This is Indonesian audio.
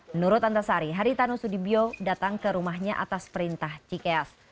menurut antasari haritano sudibyo datang ke rumahnya atas perintah ckf